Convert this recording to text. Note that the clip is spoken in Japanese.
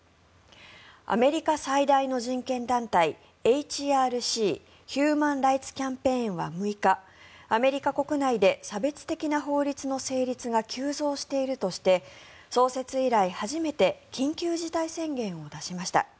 アメリカ最大の人権団体ＨＲＣ＝ヒューマン・ライツ・キャンペーンは６日、アメリカ国内で差別的な法律の成立が急増しているとして創設以来初めて緊急事態宣言を出しました。